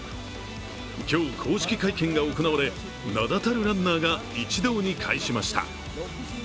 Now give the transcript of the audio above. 今日、公式会見が行われ名だたるランナーが一堂に会しました。